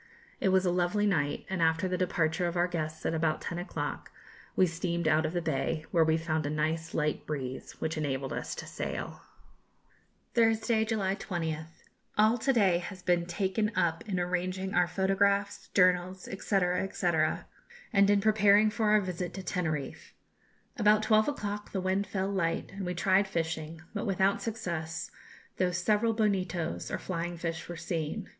It was a lovely night; and after the departure of our guests, at about ten o'clock, we steamed out of the bay, where we found a nice light breeze, which enabled us to sail. [Illustration: A Cozy Corner.] Thursday, July 20th. All to day has been taken up in arranging our photographs, journals, &c. &c., and in preparing for our visit to Teneriffe. About twelve o'clock the wind fell light and we tried fishing, but without success, though several bonitos or flying fish were seen.